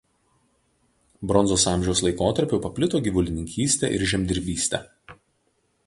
Bronzos amžiaus laikotarpiu paplito gyvulininkystė ir žemdirbystė.